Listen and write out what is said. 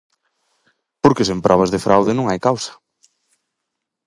Porque sen probas de fraude non hai causa.